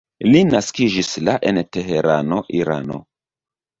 Li naskiĝis la en Teherano, Irano.